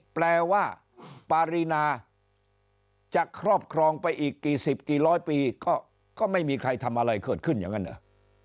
แปลว่าปารีนาจะครอบครองไปอีกกี่สิบกี่ร้อยปีก็ไม่มีใครทำอะไรเกิดขึ้นอย่างนั้นเหรอ